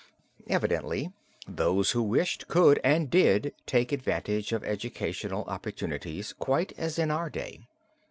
Evidently those who wished could and did take advantage of educational opportunities quite as in our day.